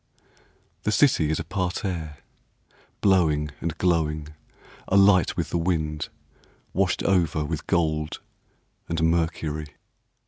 / The city is a parterre, Blowing and glowing, Alight with the wind, Washed over with gold and mercury.